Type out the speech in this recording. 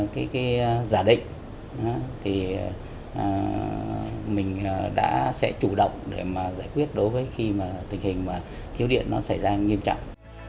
cái giả định thì mình đã sẽ chủ động để mà giải quyết đối với khi mà tình hình mà thiếu điện nó xảy ra nghiêm trọng